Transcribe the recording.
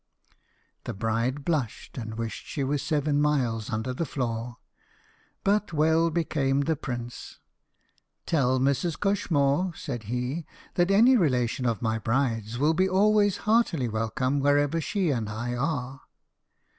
The bride blushed and wished she was seven miles under the floor, but well became the prince. "Tell Mrs. Cushmōr," said he, "that any relation of my bride's will be always heartily welcome wherever she and I are."